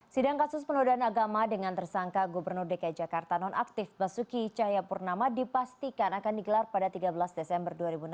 sidang kasus penodaan agama dengan tersangka gubernur dki jakarta nonaktif basuki cahayapurnama dipastikan akan digelar pada tiga belas desember dua ribu enam belas